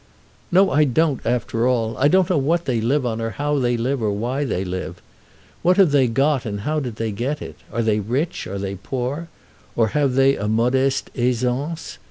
"No, I don't, after all. I don't know what they live on, or how they live, or why they live! What have they got and how did they get it? Are they rich, are they poor, or have they a modeste aisance?